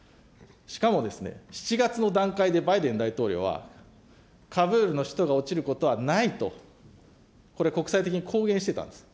しかもですね、７月の段階でバイデン大統領は、カブールの首都が落ちることはないと、これ、国際的に公言してたんです。